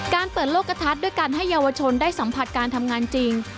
เปิดโลกกระทัดด้วยการให้เยาวชนได้สัมผัสการทำงานจริง